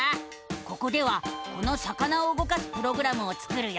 ここではこの魚を動かすプログラムを作るよ！